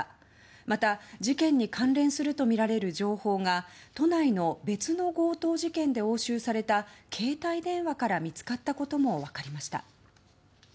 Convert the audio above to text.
また、事件に関連するとみられる情報が都内の別の強盗事件で押収された携帯電話から見つかったことも分かりました。